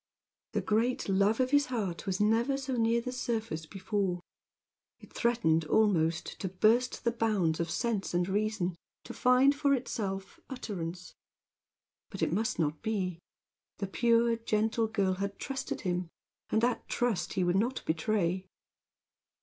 The great love of his heart was never so near the surface before. It threatened, almost, to burst the bounds of sense and reason, and find for itself utterance. But it must not be. The pure, gentle girl had trusted him, and that trust he would not betray.